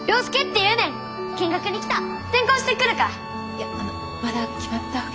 いやあのまだ決まったわけじゃ。